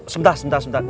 sebentar sebentar sebentar